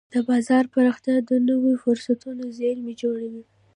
د بازار پراختیا د نوو فرصتونو زېرمې جوړوي.